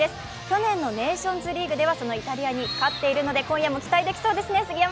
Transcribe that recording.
去年のネーションズリーグではそのイタリアに勝っているので今夜も期待できそうですね。